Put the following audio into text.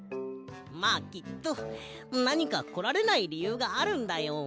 まあきっとなにかこられないりゆうがあるんだよ。